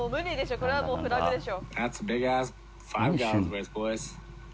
これはもう、フラグでしょ。